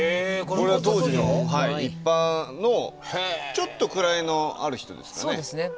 これが当時の一般のちょっと位のある人ですかね。